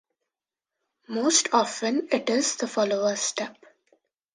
Most often it is the follower's step.